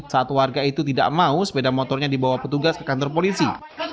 saat warga itu tidak mau sepeda motornya dibawa petugas ke kantor polisi